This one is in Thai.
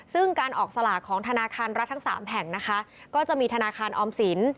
ซึ่งการออกสลากของธนาคารรัฐทั้งสามแห่งนะคะก็จะมีธนาคารออมสิน